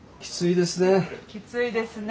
きついですね。